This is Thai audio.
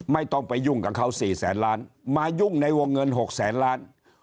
ไม่ต้องไปยุ่งกับเขา๔แสนล้านมายุ่งในวงเงิน๖แสนล้าน